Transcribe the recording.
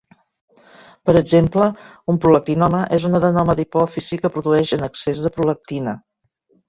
Per exemple, un prolactinoma és un adenoma d'hipòfisi que produeix en excés de prolactina.